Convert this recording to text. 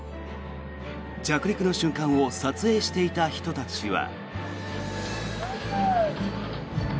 着陸の瞬間を撮影していた人たちは。